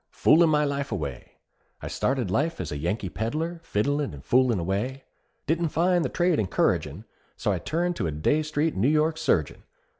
_ Foolin' my life away: I started life as a Yankee peddler, Fiddlin' and foolin' away. Didn't find the trade encouragin' So I turned a Dey Street New York surgeon.